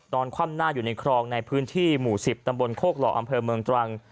คว่ำหน้าอยู่ในคลองในพื้นที่หมู่๑๐ตำบลโคกหล่ออำเภอเมืองตรัง